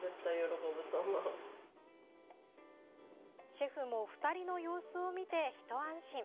シェフも２人の様子を見て一安心。